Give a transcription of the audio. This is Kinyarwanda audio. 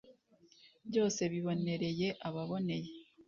Byose bibonereye ababoneye